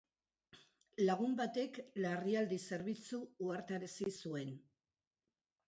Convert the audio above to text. Lagun batek larrialdi zerbitzu ohartarazi zuen.